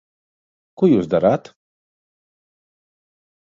Ko jūs darāt?